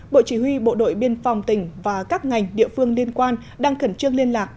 bộ chỉ huy bộ đội biên phòng tỉnh và các ngành địa phương liên quan đang khẩn trương liên lạc